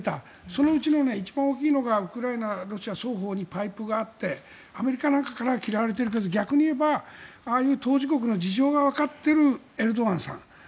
そのうちの一番大きいのがウクライナとロシア双方にパイプがあってアメリカなんかからは嫌われているけれど逆に言えば、ああいう当事国の事情がわかっているエルドアンさん。